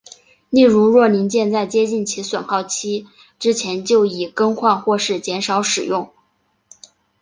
例如若零件在接近其损耗期之前就已更换或是减少使用。